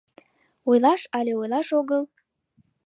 Ойлаш але ойлаш огыл?